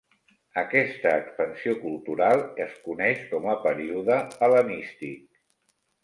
Aquesta expansió cultural es coneix com a període hel·lenístic.